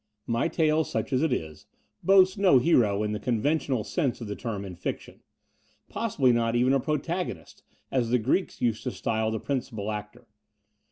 My tale, such as it is, boasts no hero in the con ventional sense of the term in fiction — ^possibly not even a protagonist, as the Greeks used to style the principal actor.